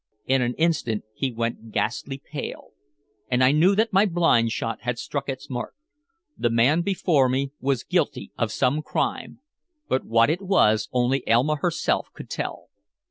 In an instant he went ghastly pale, and I knew that my blind shot had struck its mark. The man before me was guilty of some crime, but what it was only Elma herself could tell.